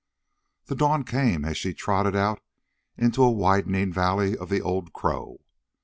The dawn came as she trotted out into a widening valley of the Old Crow.